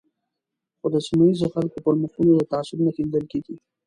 خو د سیمه ییزو خلکو پر مخونو د تعصب نښې لیدل کېږي.